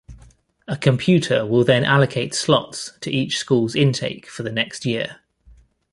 A computer will then allocate slots to each school's intake for the next year.